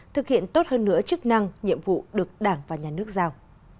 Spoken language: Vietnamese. thực hiện tốt hơn nữa chức năng nhiệm vụ được đảng và nhà nước giao